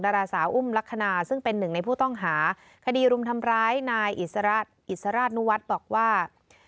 ดาราสาวอุ้มลักษณะซึ่งเป็นหนึ่งในผู้ต้องหาคดีรุมทำร้ายนายอิสระอิสราชนุวัฒน์บอกว่า